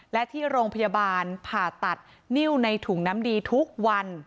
และที่โรงพยาบาลผ่าตัดนิ้วในถุงน้ำดีทุกวัน